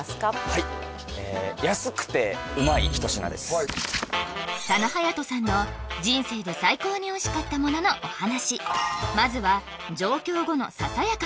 はい安くてうまい一品です佐野勇斗さんの人生で最高においしかったもののお話